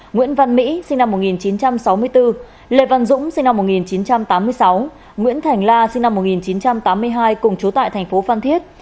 nguyễn văn mỹ sinh năm một nghìn chín trăm sáu mươi bốn lê văn dũng sinh năm một nghìn chín trăm tám mươi sáu nguyễn thành la sinh năm một nghìn chín trăm tám mươi hai cùng chú tại thành phố phan thiết